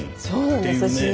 そうなんです。